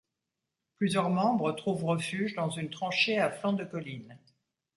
Plusieurs membres trouvent refuge dans une tranchée à flanc de colline.